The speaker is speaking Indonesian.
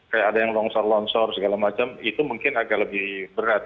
kayak ada yang longsor longsor segala macam itu mungkin agak lebih berat